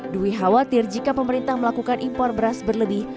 dwi khawatir jika pemerintah melakukan impor beras berlebih